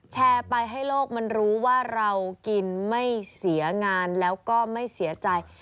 แชร์ไปให้โลกมันรู้ว่าเรากินไม่เสียงานแล้วก็ไม่เสียใจ